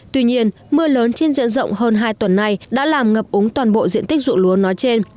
tuy nhiên mưa lớn trên diện rộng hơn hai tuần này đã làm ngập ống toàn bộ diện tích rụng lúa nói trên